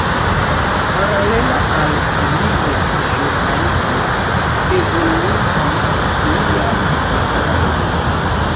Paralela al lia ĵurnalismo, evoluigis lian verkadon.